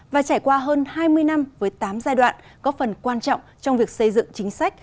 và trải qua hơn hai mươi năm với tám giai đoạn góp phần quan trọng trong việc xây dựng chính sách